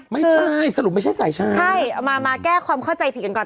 ไม่ใช่สรุปไม่ใช่สายชายใช่เอามามาแก้ความเข้าใจผิดกันก่อน